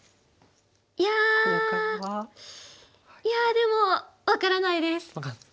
いやでも分からないです。